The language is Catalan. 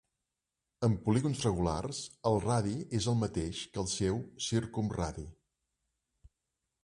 En polígons regulars, el radi és el mateix que el seu circumradi.